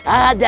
ada di depan